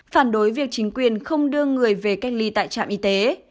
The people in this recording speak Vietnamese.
phản đối việc chính quyền không đưa người về cách ly tại trạm y tế